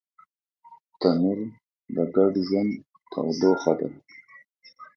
تنور د ګډ ژوند تودوخه ده